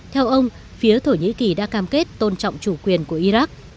theo ông phía thổ nhĩ kỳ đã cam kết tôn trọng chủ quyền của iraq